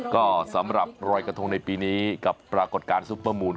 ก็สำหรับรอยกระทงในปีนี้กับปรากฏการณ์ซุปเปอร์มูล